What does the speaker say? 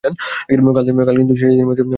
কাল কিন্তু শেষ দিন মতি, পরশু আমরা ফিরে যাব।